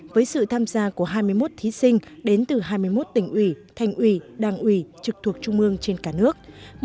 với sự tham gia của hai mươi một thí sinh đến từ hai mươi một tỉnh ủy thành ủy đảng ủy trực thuộc trung mương trên cả nước